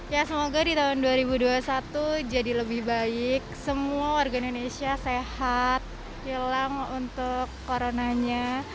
ya semoga di tahun dua ribu dua puluh satu jadi lebih baik semua warga indonesia sehat hilang untuk coronanya